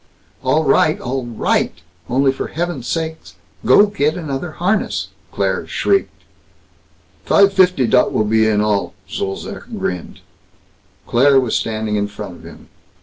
"All right! All right! Only for heaven's sake go get another harness!" Claire shrieked. "Fife fifty dot will be, in all." Zolzac grinned. Claire was standing in front of him.